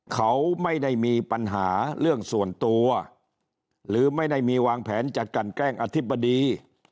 เขาไม่ได้มีปัญหาเรื่องส่วนตัวหรือไม่ได้มีวางแผนจะกันแกล้งอธิบดี